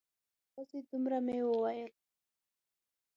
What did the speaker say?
یوازې دومره مې وویل.